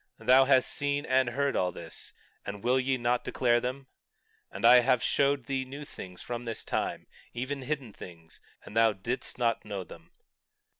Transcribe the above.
20:6 Thou hast seen and heard all this; and will ye not declare them? And that I have showed thee new things from this time, even hidden things, and thou didst not know them.